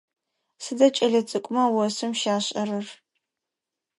Сыда кӏэлэцӏыкӏумэ осым щашӏэрэр?